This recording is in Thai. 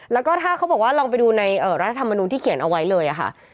แล้วก็ถ้าเขาบอกว่าลองไปดูในรัฐธรรมนุนที่เขียนเอาไว้เลยค่ะ